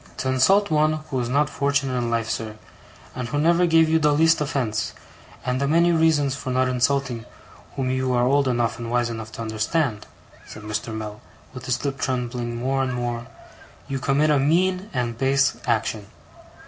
'To insult one who is not fortunate in life, sir, and who never gave you the least offence, and the many reasons for not insulting whom you are old enough and wise enough to understand,' said Mr. Mell, with his lips trembling more and more, 'you commit a mean and base action.